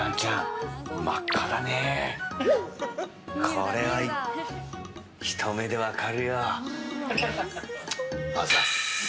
これは、ひと目で分かるよ。